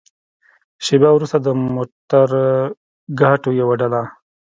شېبه وروسته د موترګاټو يوه ډله.